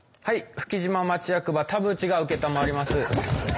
フキ島町役場田渕が承ります。